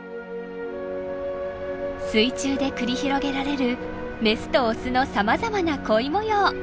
水中で繰り広げられるメスとオスのさまざまな恋模様。